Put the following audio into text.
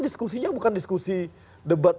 diskusinya bukan diskusi debat